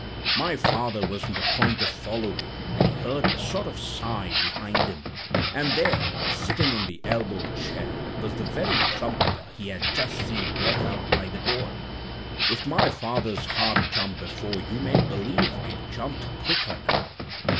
"My father was on the point of following, when he heard a sort of sigh behind him; and there, sitting in the elbow chair, was the very trumpeter he had just seen walk out by the door! If my father's heart jumped before, you may believe it jumped quicker now.